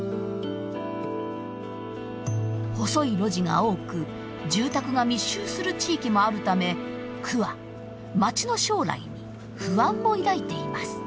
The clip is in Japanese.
細い路地が多く住宅が密集する地域もあるため区は町の将来に不安を抱いています。